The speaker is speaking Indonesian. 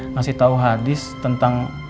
ngasih tau hadis tentang